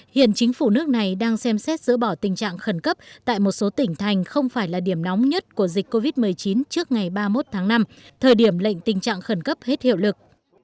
hiện chính phủ nước này đang xem xét dỡ bỏ tình trạng khẩn cấp tại một số tỉnh thành không phải là điểm nóng nhất của dịch covid một mươi chín trước ngày ba mươi một tháng năm thời điểm lệnh tình trạng khẩn cấp hết hiệu lực